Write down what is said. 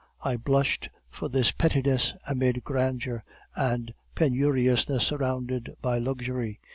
I blushed for this pettiness amid grandeur, and penuriousness surrounded by luxury.